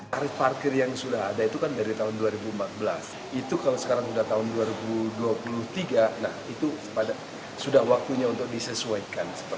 tarif parkir yang sudah ada itu kan dari tahun dua ribu empat belas itu kalau sekarang sudah tahun dua ribu dua puluh tiga nah itu sudah waktunya untuk disesuaikan